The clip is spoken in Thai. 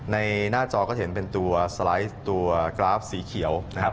ในหน้าจอก็เห็นเป็นตัวสไลด์ตัวกราฟสีเขียวนะครับ